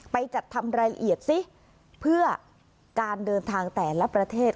ไปจัดทำรายละเอียดซิเพื่อการเดินทางแต่ละประเทศ